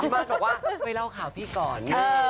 พี่มาศบอกว่าไปเล่าข่าวพี่ก่อน